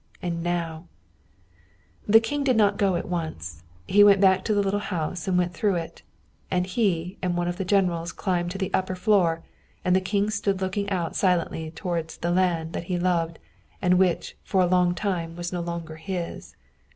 And now the King did not go at once. He went back to the little house and went through it. And he and one of his generals climbed to the upper floor, and the King stood looking out silently toward the land he loved and which for a time was no longer his.